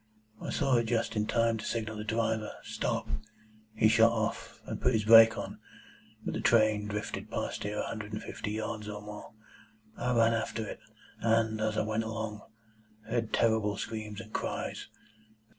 I saw it just in time to signal the driver, Stop! He shut off, and put his brake on, but the train drifted past here a hundred and fifty yards or more. I ran after it, and, as I went along, heard terrible screams and cries.